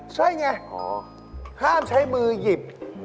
ใช่ไงห้ามใช้มือหยิบ